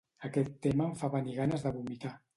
Aquest tema em fa venir ganes de vomitar.